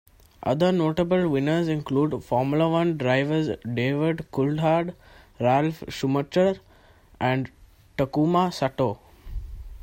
Other notable winners include Formula One drivers David Coulthard, Ralf Schumacher and Takuma Sato.